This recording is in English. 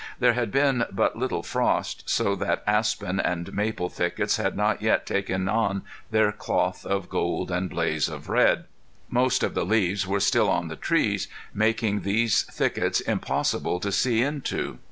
There had been but little frost, so that aspen and maple thickets had not yet taken on their cloth of gold and blaze of red. Most of the leaves were still on the trees, making these thickets impossible to see into.